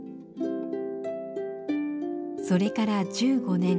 それから１５年。